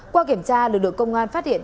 qua kiểm tra lực lượng công an phát hiện